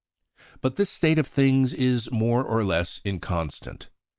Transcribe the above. But this state of things is more or less inconstant.